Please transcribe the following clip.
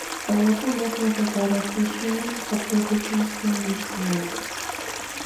A local myth was about a fisherman couple who transformed into mermaids.